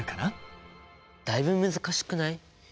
だいぶ難しくない？